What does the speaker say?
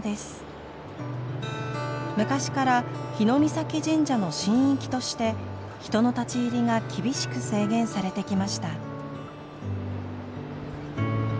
昔から日御碕神社の神域として人の立ち入りが厳しく制限されてきました。